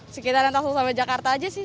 sekitar yang tangsel sama jakarta aja sih